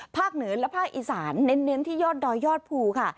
เหนือและภาคอีสานเน้นที่ยอดดอยยอดภูค่ะ